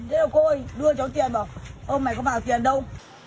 thế là cô ấy đưa cho tiền vào ô mày có vào tiền đâu